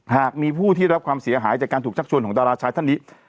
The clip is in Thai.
หากมีผู้ที่รับความเสียหายจากการถูกชักชวนของดาราชายท่านนี้